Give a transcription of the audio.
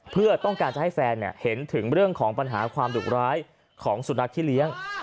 เพื่อต้องการจะให้แฟนเห็นถึงเรื่องของปัญหาความดุร้ายของสุนัขที่เลี้ยง